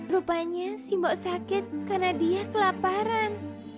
rupanya si mbok sakit karena dia kelaparan